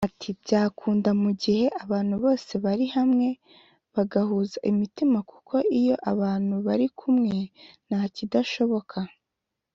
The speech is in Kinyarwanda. Ati “ Byakunda mu gihe abantu bose bari hamwe bagahuza imitima kuko iyo abantu bari kumwe nta kidashoboka